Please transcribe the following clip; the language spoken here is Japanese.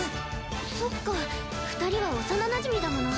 そっか２人は幼なじみだもの。